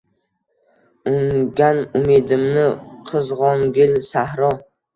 Ungan umidimni qizg‘ongil, sahro